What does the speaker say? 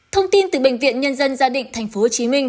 thông tin từ bệnh viện nhân dân gia định tp hcm